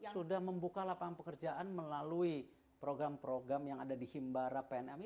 sudah membuka lapangan pekerjaan melalui program program yang ada di himbara pnm